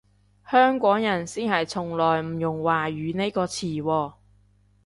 香港人先係從來唔用華語呢個詞喎